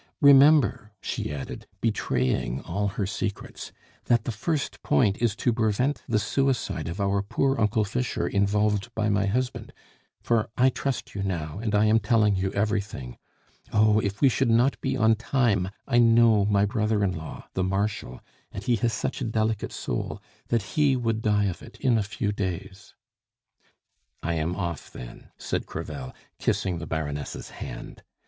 Remember," she added, betraying all her secrets, "that the first point is to prevent the suicide of our poor Uncle Fischer involved by my husband for I trust you now, and I am telling you everything. Oh, if we should not be on time, I know my brother in law, the Marshal, and he has such a delicate soul, that he would die of it in a few days." "I am off, then," said Crevel, kissing the Baroness' hand.